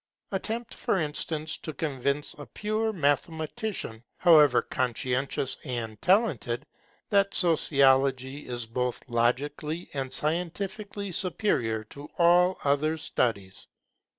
Attempt, for instance, to convince a pure mathematician, however conscientious and talented, that Sociology is both logically and scientifically superior to all other studies.